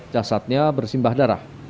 jasadnya bersimbah darah